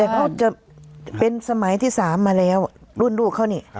แต่เขาจะเป็นสมัยที่๓มาแล้วรุ่นลูกเขานี่